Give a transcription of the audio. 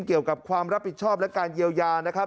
เกี่ยวกับความรับผิดชอบและการเยียวยานะครับ